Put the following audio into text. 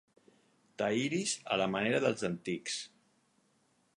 T'aïris a la manera dels antics.